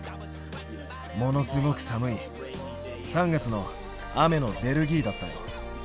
ものすごく寒い３月の雨のベルギーだったよ。